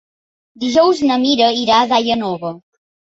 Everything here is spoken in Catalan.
Dijous na Mira irà a Daia Nova.